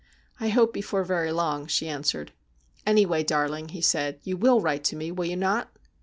' I hope before very long,' she answered. ' Anyway, darling,' he said, ' you will write to me, will you not